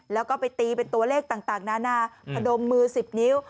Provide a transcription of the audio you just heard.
แล้วก็ไปตีเป็นตัวเลขต่างนานาพนมมือ๑๐นิ้ว